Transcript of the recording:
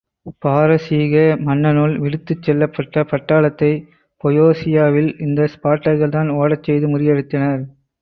பாரசீக மன்னனுல் விடுத்துச் செல்லப்பட்ட பட்டாளத்தைப் பொயோஷியாவில் இந்த ஸ்பார்ட்டர்கள்தான் ஓடச் செய்து முறியடித்தனர்.